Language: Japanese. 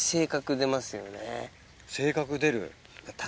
性格出る？